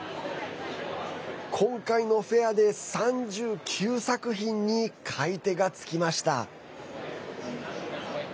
今回のフェアで３９作品に買い手がつきました。